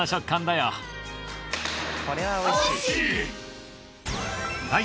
これは美味しい。